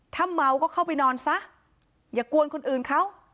ถ้าเมาก็เข้าไปนอนซะอย่ากวนคนอื่นเขา